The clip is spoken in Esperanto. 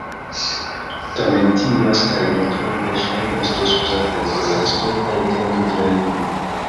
Tamen tiuj lastaj metroj verŝajne estos uzataj por la estonta etendo de la linio.